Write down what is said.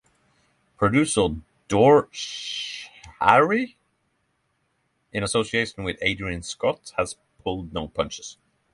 Producer Dore Schary, in association with Adrian Scott, has pulled no punches.